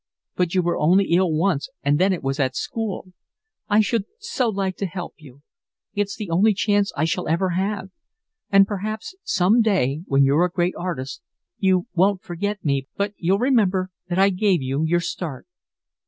But you were only ill once and then it was at school. I should so like to help you. It's the only chance I shall ever have. And perhaps some day when you're a great artist you won't forget me, but you'll remember that I gave you your start."